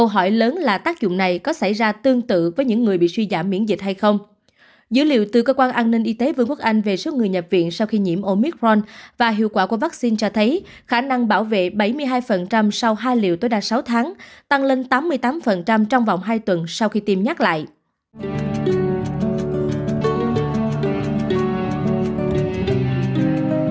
hãy đăng ký kênh để ủng hộ kênh của chúng mình nhé